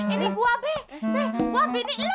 ini gua be be gua bini lo